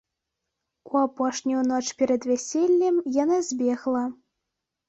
У апошнюю ноч перад вяселлем яна збегла.